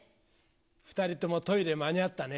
２人ともトイレ間に合ったね。